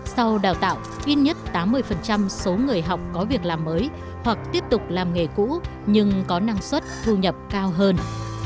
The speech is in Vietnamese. sau đào tạo ít nhất tám mươi số người học có việc làm mới hoặc tiếp tục làm nghề cũ nhưng có năng suất thu nhập cao hơn